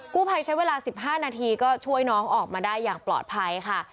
กู้ภัยใช้เวลา๑๕นาทีก็ช่วยน้องออกมาได้อย่างปลอดภัยค่ะ